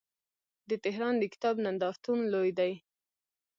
د تهران د کتاب نندارتون لوی دی.